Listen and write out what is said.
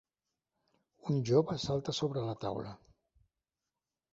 Un jove salta sobre una taula